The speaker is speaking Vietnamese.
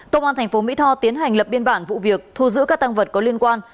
công an tp mỹ tho tiến hành lập biên bản vụ việc thu giữ các tăng vật có liên quan